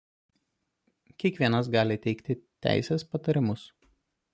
Kiekvienas gali teikti teisės patarimus.